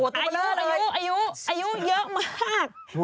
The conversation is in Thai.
ตัวเบลอเลยอายุอายุเยอะมาก